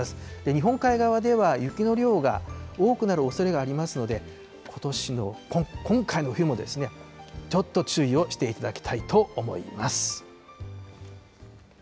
日本海側では雪の量が多くなるおそれがありますので、ことしの、今回の冬もちょっと注意をしていただきたいと思います。